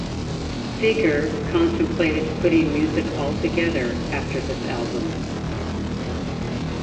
Seger contemplated quitting music altogether after this album.